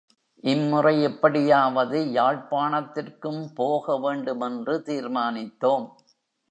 இம்முறை எப்படியாவது யாழ்ப்பாணத்திற்கும் போக வேண்டுமென்று தீர்மானித்தோம்.